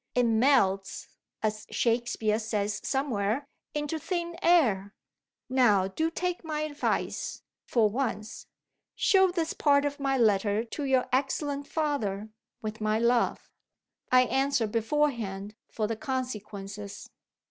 It melts (as Shakespeare says somewhere) into thin air. Now do take my advice, for once. Show this part of my letter to your excellent father, with my love. I answer beforehand for the consequences.